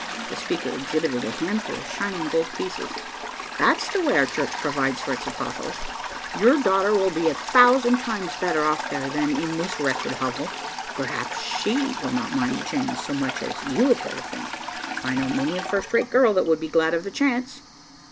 The speaker exhibited a handful of shining gold pieces. "That's the way our church provides for its apostles. Your daughter will be a thousand times better off there, than in this wretched hovel. Perhaps she will not mind the change so much as you appear to think. I know many a first rate girl that would be glad of the chance."